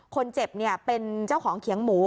คนเจ็บเป็นเจ้าของเขียงหมู